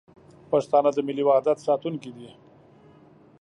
پښتانه د ملي وحدت ساتونکي دي.